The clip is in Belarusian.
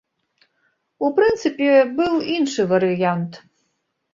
У прынцыпе, быў іншы варыянт.